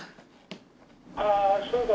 「ああそうか」